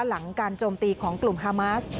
หลังการโจมตีของกลุ่มฮามาส